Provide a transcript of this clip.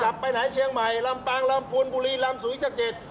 กลับไปไหนเชียงใหม่ลำปังลำภูนิบุรีลำสุริษฐกิจ